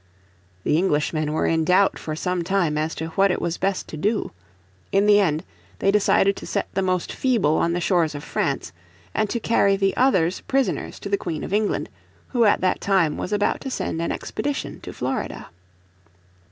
The Englishmen were in doubt for some time as to what it was best to do. In the end they decided to set the most feeble on the shores of France, and to carry the others prisoners to the Queen of England, who at that time was about to send an expedition to Florida.